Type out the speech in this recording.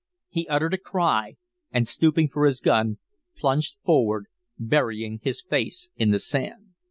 He uttered a cry and, stooping for his gun, plunged forward, burying his face in the sand.